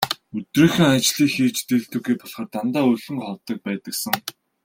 Өдрийнхөө ажлыг хийж дийлдэггүй болохоор дандаа өлөн ховдог байдагсан.